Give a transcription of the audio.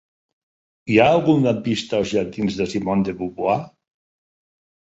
Hi ha algun lampista als jardins de Simone de Beauvoir?